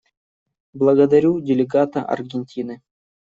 Благодарю делегата Аргентины.